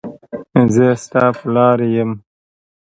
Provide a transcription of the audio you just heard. زه ستا پلار یم.